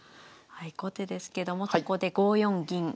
はい後手ですけどもそこで５四銀。